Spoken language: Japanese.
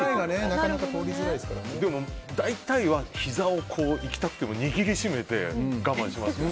でも大体は膝を行きたくても握り締めて我慢しますね。